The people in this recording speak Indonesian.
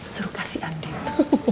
suruh kasihan din